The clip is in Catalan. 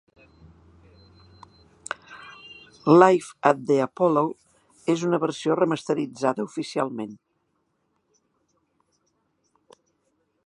"Live at the Apollo" és una versió remasteritzada oficialment.